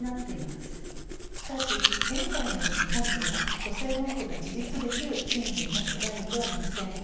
しかし現在の日本では女性の多くが自立できる賃金を得られてはいません。